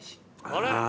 あれ？